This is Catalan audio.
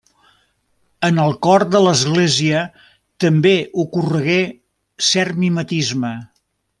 En el cor de l'Església també ocorregué cert mimetisme.